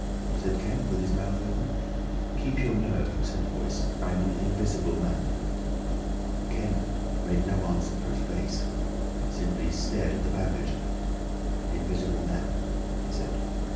said Kemp, with his mouth open. "Keep your nerve," said the Voice. "I'm an Invisible Man." Kemp made no answer for a space, simply stared at the bandage. "Invisible Man," he said.